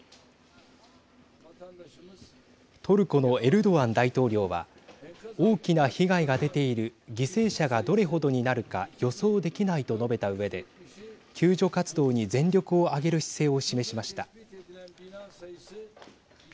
トルコのエルドアン大統領は大きな被害が出ている犠牲者がどれ程になるか予想できないと述べたうえで救助活動に全力を挙げる姿勢を示しました。